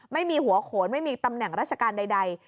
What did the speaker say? ไม่มีหัวโขนไม่มีตำแหน่งราชการใด